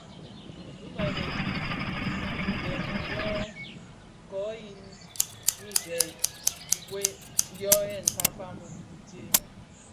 Bi ireb kibeňi kō yin di nsèň khibuen dyō yè fafa a mum kisee mèn.